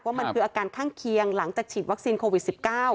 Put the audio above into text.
ว่ามันคืออาการข้างเคียงหลังจากฉีดวัคซีนโควิด๑๙